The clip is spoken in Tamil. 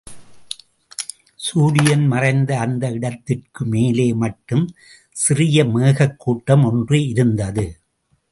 சூரியன் மறைந்த அந்த இடத்திற்கு மேலே மட்டும் சிறிய மேகக் கூட்டம் ஒன்று இருந்தது.